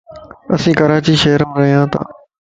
اسين ڪراچي شھر مَ ريان تان